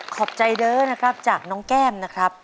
ขอบใจเด้อนะครับจากน้องแก้มนะครับ